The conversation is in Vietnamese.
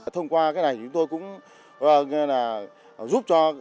thông qua cái này chúng tôi cũng giúp cho